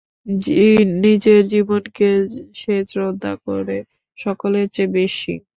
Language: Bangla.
নিজের জীবনকে সে শ্রদ্ধা করে সকলের চেয়ে বেশি।